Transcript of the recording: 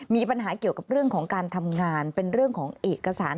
มีปัญหาเกี่ยวกับเรื่องของการทำงานเป็นเรื่องของเอกสาร